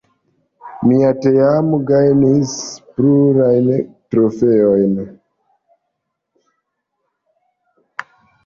Mia teamo gajnis plurajn trofeojn.